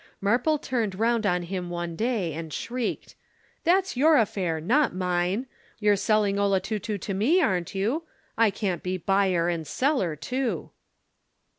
Marple turned round on him one day and shrieked: "That's your affair, not mine. You're selling 'Olotutu' to me, aren't you? I can't be buyer and seller, too."